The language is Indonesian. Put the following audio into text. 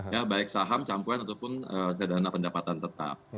ya baik saham campuran ataupun sederhana pendapatan tetap